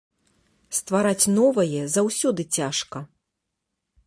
Ствараць новае заўсёды цяжка.